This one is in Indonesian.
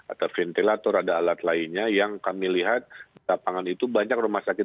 atau ventilator ada alat lainnya yang kami lihat di lapangan itu banyak rumah sakit